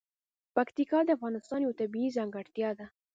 پکتیکا د افغانستان یوه طبیعي ځانګړتیا ده.